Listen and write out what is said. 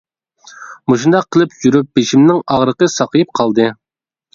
مۇشۇنداق قىلىپ يۈرۈپ بېشىمنىڭ ئاغرىقى ساقىيىپ قالدى.